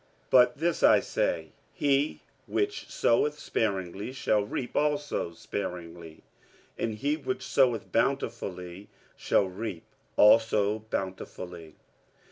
47:009:006 But this I say, He which soweth sparingly shall reap also sparingly; and he which soweth bountifully shall reap also bountifully.